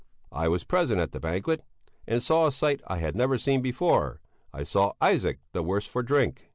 I was present at the banquet, and saw a sight I had never seen before I saw Isaac the worse for drink!